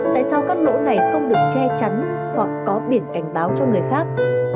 tại sao các lỗ này không được che chắn hoặc có biển cảnh báo cho người khác